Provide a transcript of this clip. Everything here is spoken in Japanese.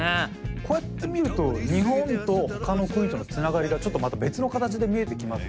こうやって見ると日本とほかの国とのつながりがちょっとまた別の形で見えてきますね。